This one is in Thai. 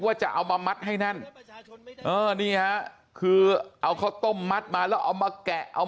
ว่าจะเอามามัดให้แน่นนี่ฮะคือเอาข้าวต้มมัดมาแล้วเอามาแกะเอามา